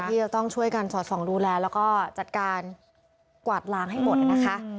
ที่จะต้องช่วยกันสอดส่องดูแลแล้วก็จัดการกวาดล้างให้หมดนะคะ